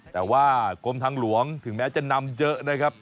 แต่ว่ากรมทางหลวงถึงแม้จะนำเยอะนะครับ